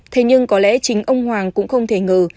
thế nhưng có lẽ chính ông hoàng cũng không thể ngờ